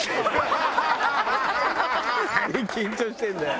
何緊張してんだよ。